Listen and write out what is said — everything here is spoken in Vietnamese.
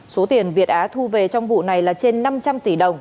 số tiền việt á thu về trong vụ này là trên năm trăm linh tỷ đồng